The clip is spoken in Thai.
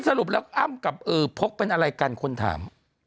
สรุปแล้วอ้ำกับพกเป็นอะไรกันคนถาม